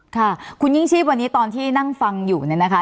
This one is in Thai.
ค่ะคุณยิ่งชีพวันนี้ตอนที่นั่งฟังอยู่เนี่ยนะคะ